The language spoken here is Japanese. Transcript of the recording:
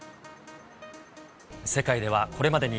世界ではこれまでに、